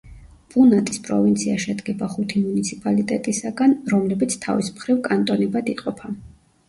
პუნატის პროვინცია შედგება ხუთი მუნიციპალიტეტისაგან, რომლებიც თავის მხრივ კანტონებად იყოფა.